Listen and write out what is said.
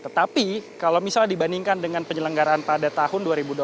tetapi kalau misalnya dibandingkan dengan penyelenggaraan pada tahun dua ribu dua puluh